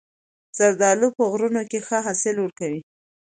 زردالو په غرونو کې ښه حاصل ورکوي.